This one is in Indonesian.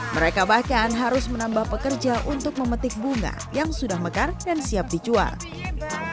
mereka bahkan harus menambah pekerja untuk memetik bunga yang sudah mekar dan siap dijual